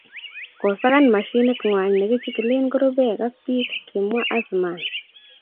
kosakan mashinit ng'wang ne kichikilen kurubeek ak biik, kimwa Athaman.